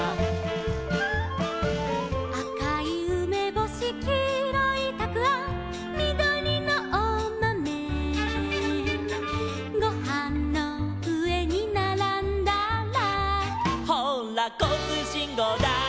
「あかいうめぼし」「きいろいたくあん」「みどりのおまめ」「ごはんのうえにならんだら」「ほうらこうつうしんごうだい」